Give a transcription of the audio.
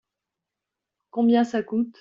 Combien ça coûte ?